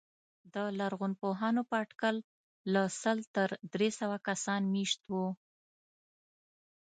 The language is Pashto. د لرغونپوهانو په اټکل له سل تر درې سوه کسان مېشت وو.